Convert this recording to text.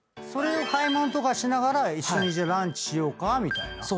それを買い物とかしながら一緒にランチしようかみたいな。